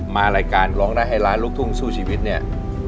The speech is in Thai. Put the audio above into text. รายการร้องได้ให้ล้านลูกทุ่งสู้ชีวิตเนี่ย